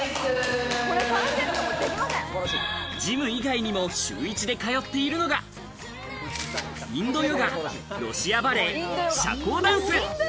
ジム以外にも、週１で通っているのがインドヨガ、ロシアバレエ、社交ダンス。